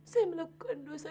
saya melakukan dosa